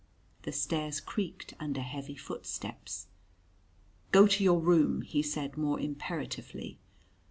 The stairs creaked under heavy footsteps. "Go to your room," he said more imperatively.